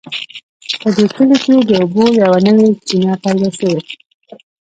په دې کلي کې د اوبو یوه نوې چینه پیدا شوې